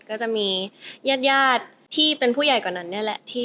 ก็จะมีญาติที่เป็นผู้ใหญ่กว่านั้นนี่แหละ